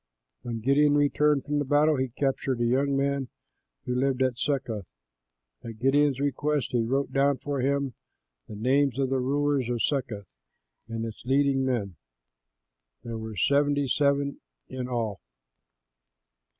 When Gideon returned from the battle, he captured a young man who lived at Succoth. At Gideon's request he wrote down for him the names of the rulers of Succoth and its leading men. There were seventy seven in all.